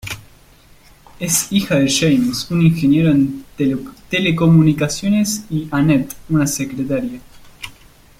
Es hija de James, un ingeniero en telecomunicaciones y Annette, una secretaria.